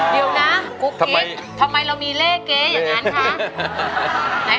เดี๋ยวนะกุ๊กกิ๊กทำไมเรามีเลขเก๊อย่างนั้นคะ